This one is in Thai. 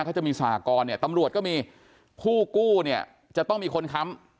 เขาจะมีสหกรเนี่ยตำรวจก็มีผู้กู้เนี่ยจะต้องมีคนค้ำ